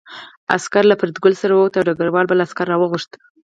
عسکر له فریدګل سره ووت او ډګروال بل عسکر راوغوښت